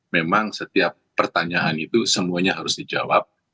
memang setiap pertanyaan itu semuanya harus dijawab